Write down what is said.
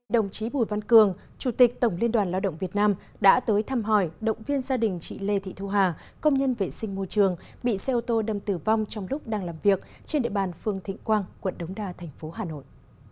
đồng chí bùi văn cường chủ tịch tổng liên đoàn lao động việt nam đã tới thăm hỏi động viên gia đình chị lê thị thu hà công nhân vệ sinh môi trường bị xe ô tô đâm tử vong trong lúc đang làm việc trên địa bàn phương thịnh quang quận đống đa thành phố hà nội